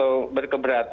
saya juga berkata kata